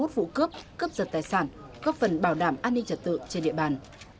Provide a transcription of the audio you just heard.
hai mươi vụ cướp cướp giật tài sản góp phần bảo đảm an ninh trật tự trên địa bàn